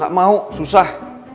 gak mau susah